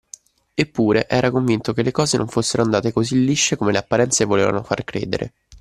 Eppure, era convinto che le cose non fossero andate così lisce come le apparenze volevano far credere.